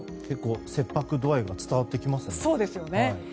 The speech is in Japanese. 結構、切迫度合いが伝わってきますね。